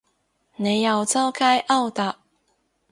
你又周街勾搭